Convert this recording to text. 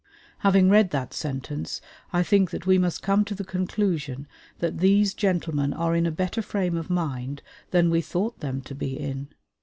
Having read that sentence, I think that we must come to the conclusion that these gentlemen are in a better frame of mind than we thought them to be in.